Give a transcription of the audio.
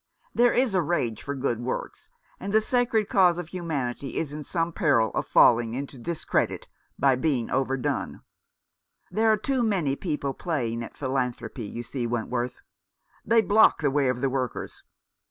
There is a rage for good works, and the sacred cause of humanity is in some peril of falling into discredit by being overdone. There are too many people playing at philanthropy, you see, Wentworth. They block 364 A New Development. the way of the workers.